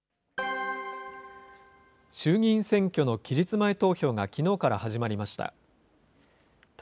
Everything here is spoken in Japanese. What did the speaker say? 衆議院選挙の期日前投票がきのうから始まりました。